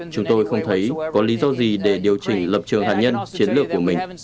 chúng tôi không thấy có lý do gì để điều chỉnh lập trường hạt nhân chiến lược của mình